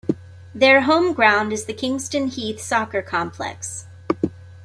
Their home ground is the Kingston Heath Soccer Complex.